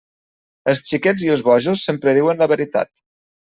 Els xiquets i els bojos sempre diuen la veritat.